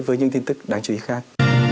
với những tin tức đáng chú ý khác